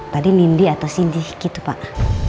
tadi nindi atau sindy gitu pak